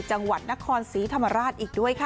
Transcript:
จังหวัดนครศรีธรรมราชอีกด้วยค่ะ